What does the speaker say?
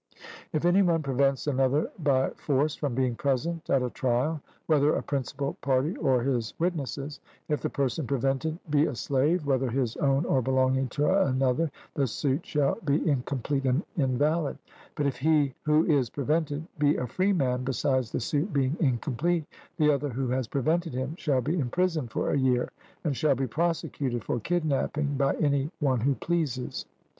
If any one prevents another by force from being present at a trial, whether a principal party or his witnesses; if the person prevented be a slave, whether his own or belonging to another, the suit shall be incomplete and invalid; but if he who is prevented be a freeman, besides the suit being incomplete, the other who has prevented him shall be imprisoned for a year, and shall be prosecuted for kidnapping by any one who pleases.